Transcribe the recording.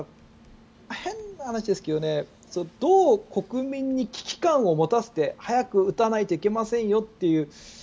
変な話ですけどどう国民に危機感を持たせて早く打たないといけませんよという